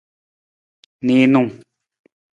Niinung.